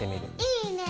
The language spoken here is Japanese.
いいね！